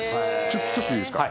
ちょっといいですか。